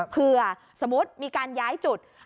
สมมุติมีการย้ายจุด